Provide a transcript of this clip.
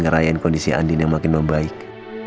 ngerayain kondisi andin yang makin membaik